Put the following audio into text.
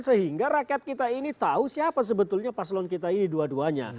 sehingga rakyat kita ini tahu siapa sebetulnya paslon kita ini dua duanya